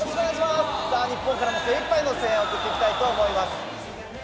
日本からも精いっぱいの声援を送っていきたいと思います。